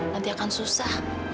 nanti akan susah